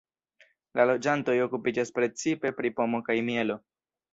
La loĝantoj okupiĝas precipe pri pomo kaj mielo.